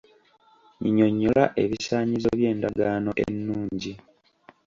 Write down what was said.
Nnyinyonnyola ebisaanyizo by'endagaano ennungi.